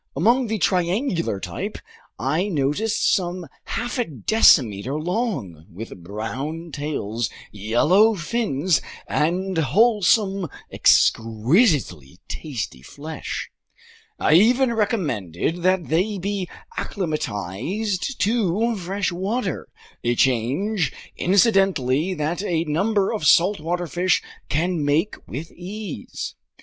Among the triangular type, I noticed some half a decimeter long, with brown tails, yellow fins, and wholesome, exquisitely tasty flesh; I even recommend that they be acclimatized to fresh water, a change, incidentally, that a number of saltwater fish can make with ease.